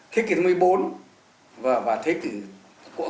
thế kỷ thứ một mươi bốn và thế kỷ thứ một mươi ba năm một nghìn hai trăm linh